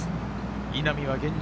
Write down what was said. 稲見は現状